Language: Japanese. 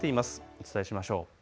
お伝えしましょう。